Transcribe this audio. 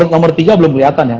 nomor tiga belum kelihatan ya